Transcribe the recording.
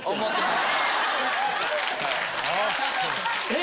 え？